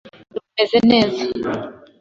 ubuzima bwanjye bumeze neza